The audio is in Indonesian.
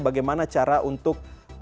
bagaimana cara untuk